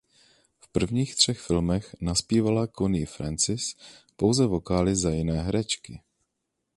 V prvních třech filmech nazpívala Connie Francis pouze vokály za jiné herečky.